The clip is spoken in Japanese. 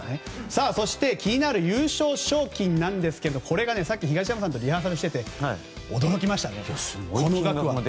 そして、気になる優勝賞金なんですがこれがさっき東山さんとリハーサルしてて驚きました、この額は。